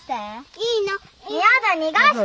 いいの！やだ逃がして！